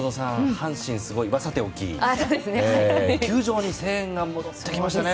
阪神すごいはさておき球場に声援が戻ってきましたよね